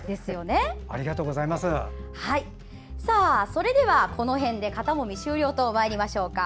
それではこの辺で肩もみ終了とまいりましょうか。